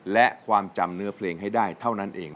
และความจำเนื้อเพลงให้ได้เท่านั้นเอง